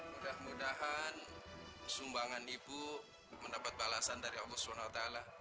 mudah mudahan sumbangan ibu mendapat balasan dari allah swt